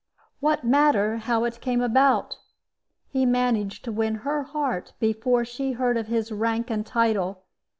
What matter how it came about? He managed to win her heart before she heard of his rank and title.